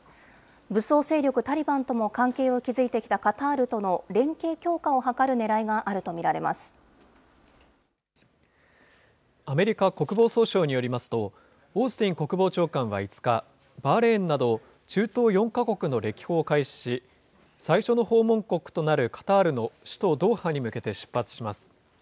武装勢力タリバンとも関係を築いてきたカタールとの連携強化を図アメリカ国防総省によりますと、オースティン国防長官は５日、バーレーンなど中東４か国の歴訪を開始し、最初の訪問国となるカタールの首都ドーハに向けて出発します。